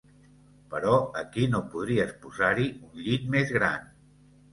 Però aquí no podries posar-hi un llit més gran.